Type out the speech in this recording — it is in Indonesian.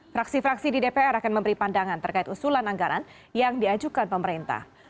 fraksi fraksi di dpr akan memberi pandangan terkait usulan anggaran yang diajukan pemerintah